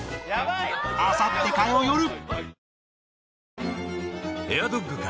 あさって火曜よる